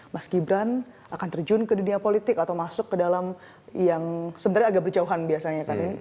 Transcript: mas gibran akan terjun ke dunia politik atau masuk ke dalam yang sebenarnya agak berjauhan biasanya kan